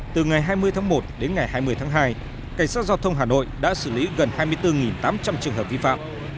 từ ngày hai mươi tháng một đến ngày hai mươi tháng hai cảnh sát giao thông hà nội đã xử lý gần hai mươi bốn tám trăm linh trường hợp vi phạm